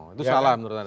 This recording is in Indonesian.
itu salah menurut anda